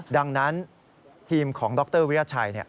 ดังนั้นทีมของดรวิราชัย